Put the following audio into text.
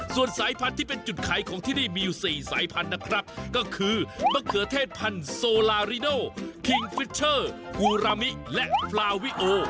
ส่วนสายพันธุ์ที่เป็นจุดขายของที่นี่มีอยู่๔สายพันธุ์นะครับก็คือมะเขือเทศพันธุ์โซลาริโดคิงฟิชเชอร์กูรามิและปลาวิโอ